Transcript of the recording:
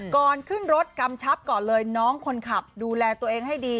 ก่อนขึ้นรถกำชับก่อนเลยน้องคนขับดูแลตัวเองให้ดี